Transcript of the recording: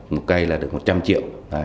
một cây là được một trăm linh triệu